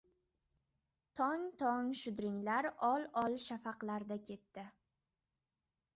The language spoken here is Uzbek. Tong-tong shudringlar ol-ol shafaqlarda ketdi.